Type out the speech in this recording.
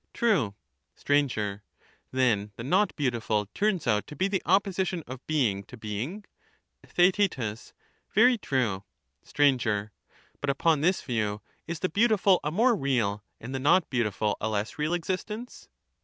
True. Str. Then the not beautiful turns out to be the opposition of being to being ? Theaet. Very true. Str. But upon this view, is the beautiful a more real and the not beautiful a less real existence